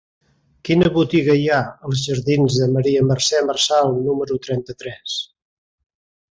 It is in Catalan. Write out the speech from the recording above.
Quina botiga hi ha als jardins de Maria Mercè Marçal número trenta-tres?